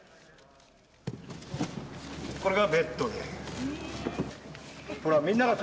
これがベッドで。